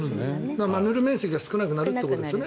塗る面積が狭くなるということですよね。